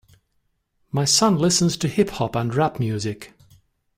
My son listens to hip-hop and rap music.